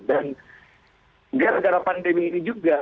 dan gara gara pandemi ini juga